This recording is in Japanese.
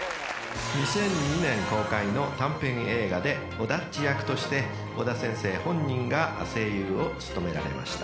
［２００２年公開の短編映画でオダッチ役として尾田先生本人が声優を務められました］